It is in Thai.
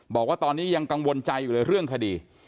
บอกว่าตอนนี้ยังกังวลใจอยู่เลยเรื่องคดี